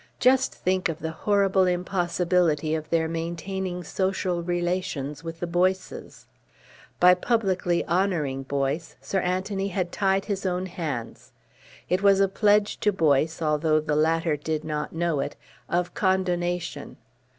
Just think of the horrible impossibility of their maintaining social relations with the Boyces .... By publicly honouring Boyce, Sir Anthony had tied his own hands. It was a pledge to Boyce, although the latter did not know it, of condonation.